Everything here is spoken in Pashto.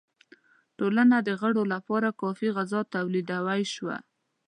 ټولنه د غړو لپاره کافی غذا تولیدولای شوه.